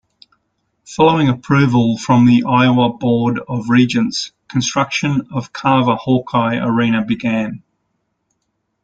Following approval from the Iowa Board of Regents, construction of Carver-Hawkeye Arena began.